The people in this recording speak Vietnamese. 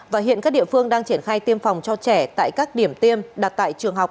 và hiện các địa phương đang triển khai tiêm phòng cho trẻ tại các điểm tiêm đặt tại trường học